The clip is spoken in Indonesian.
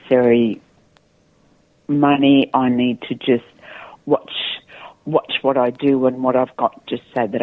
saya hanya perlu menonton apa yang saya lakukan dan apa yang saya punya